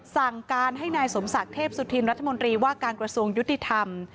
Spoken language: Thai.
สั่งการให้นายสมศักดิ์เทพสุธินรัฐมนตรีว่าการกระทรวงยุติธรรม